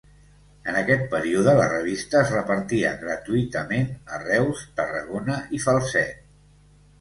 En aquest període la revista es repartia gratuïtament a Reus, Tarragona i Falset.